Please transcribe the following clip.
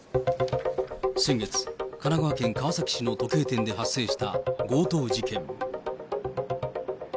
先月、神奈川県川崎市の時計店で発生した強盗事件。